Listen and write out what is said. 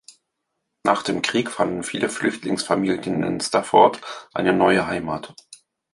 Nach dem Krieg fanden viele Flüchtlingsfamilien in Staffort eine neue Heimat.